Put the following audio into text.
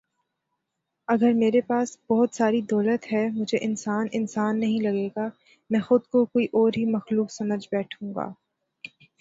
اگر میرے پاس بہت ساری دولت ہے مجھے انسان انسان نہیں لگے گا۔۔ می خود کو کوئی اور ہی مخلوق سمجھ بیٹھوں گا